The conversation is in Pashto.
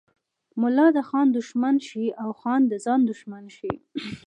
ملا د خان دښمن شي او خان د ځان دښمن شي.